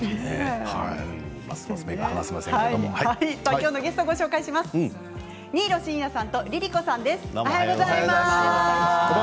今日のゲストは新納慎也さんとＬｉＬｉＣｏさんです。